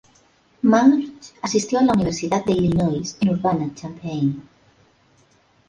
Marsh asistió a la Universidad de Illinois en Urbana-Champaign.